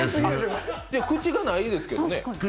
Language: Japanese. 口がないですけどね。